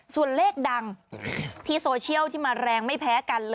ส่วนเลขดังที่โซเชียลที่มาแรงไม่แพ้กันเลย